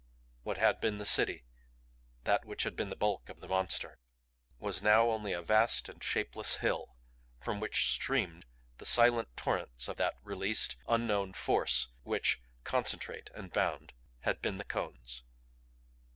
What had been the City that which had been the bulk of the Monster was now only a vast and shapeless hill from which streamed the silent torrents of that released, unknown force which, concentrate and bound, had been the cones.